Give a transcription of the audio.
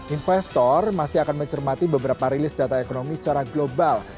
investor masih akan mencermati beberapa rilis data ekonomi secara global